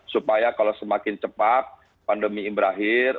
supaya kalau semakin cepat pandemi ini berakhir